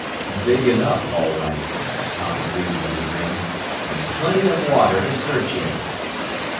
"Big enough, all right," Tom agreed with a grin. "And plenty of water to search in."